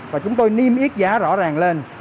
và chúng tôi niêm yết giá rõ ràng lên